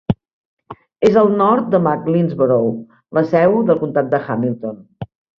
És al nord de McLeansboro, la seu del comptat de Hamilton.